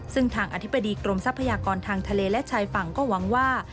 ซึ่งทางอธิบดีกรมทรัพยากรทางทะเลและชายฝั่งก็หวังว่า